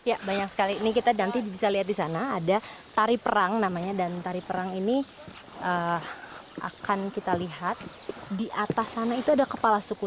ya banyak sekali ini kita nanti bisa lihat di sana ada tari perang namanya dan tari perang ini akan kita lihat di atas sana itu ada kepala suku